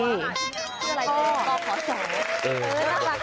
ชื่อว่าอะไรดีต้องขอสอน